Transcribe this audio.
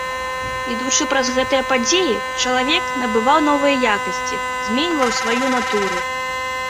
Ідучы праз гэтыя падзеі, чалавек набываў новыя якасці, зменьваў сваю натуру.